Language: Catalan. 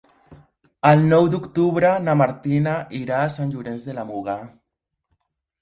El nou d'octubre na Martina irà a Sant Llorenç de la Muga.